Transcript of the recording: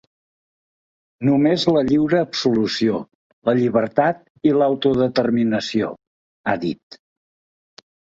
Només la lliure absolució, la llibertat i l’autodeterminació, ha dit.